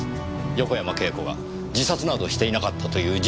横山慶子が自殺などしていなかったという事実を。